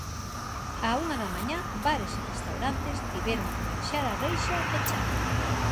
Á unha da mañá bares e restaurantes tiveron que baixar a reixa e pechar.